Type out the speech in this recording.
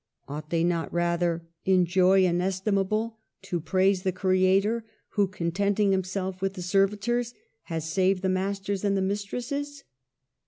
Ought they not rather, " in joy inestimable, to praise the Creator who, content ing Himself with the servitors, has saved the masters and the mistresses?